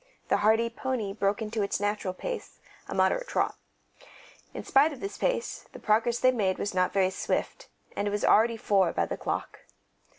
The hardy pony broke into its natural pace, a moderate trot. In spite of this pace, the progress they made was not very swift, and it was already four by the clock.